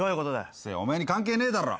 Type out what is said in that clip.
うっせえお前に関係ねえだろ